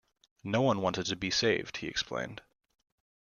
"No one wanted to be saved," he explained.